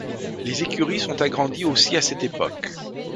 Les écuries sont agrandies aussi à cette époque.